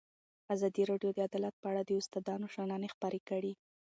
ازادي راډیو د عدالت په اړه د استادانو شننې خپرې کړي.